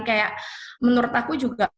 kayak menurut aku juga